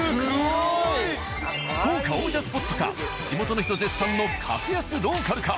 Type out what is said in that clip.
豪華王者スポットか地元の人絶賛の格安ローカルか。